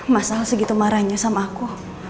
mas al segitu marahnya sama aku